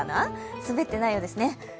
滑ってないようですね。